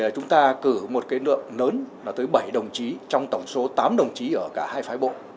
chúng ta cử một cái lượng lớn là tới bảy đồng chí trong tổng số tám đồng chí ở cả hai phái bộ